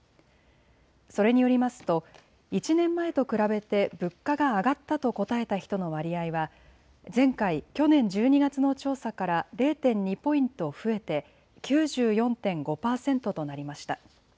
それによりますと１年前と比べて物価が上がったと答えた人の割合は前回、去年１２月の調査から０．２ポイント増えて９４．５％となりました。